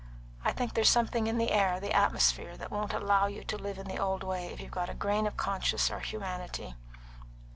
I think there's something in the air, the atmosphere, that won't allow you to live in the old way if you've got a grain of conscience or humanity.